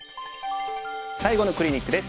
最後のクリニックです。